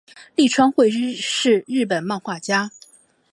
立川惠是日本漫画家。